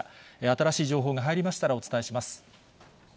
新しい情報が入りましたら、お伝えします。